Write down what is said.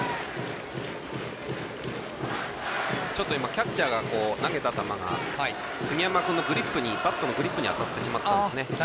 キャッチャーが投げた球が杉山君のバットのグリップに当たってしまったんですね。